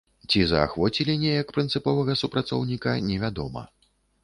Ці заахвоцілі неяк прынцыповага супрацоўніка, не вядома.